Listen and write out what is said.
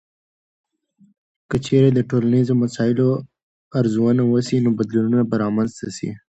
که چیرې د ټولنیزو مسایلو ارزونه وسي، نو بدلونونه به رامنځته سي.